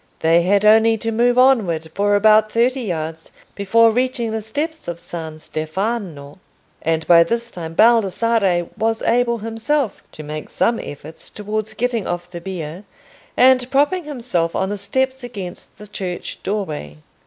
They had only to move onward for about thirty yards before reaching the steps of San Stefano, and by this time Baldassarre was able himself to make some efforts towards getting off the bier, and propping himself on the steps against the church doorway.